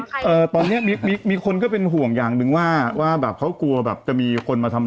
นี่ไม่เห็นได้ไปจูดบนหัวใครเอ่อตอนเนี้ยมีคนก็เป็นห่วงอย่างหนึ่งว่าว่าบางเขากลัวแบบจะมีคนมาทำ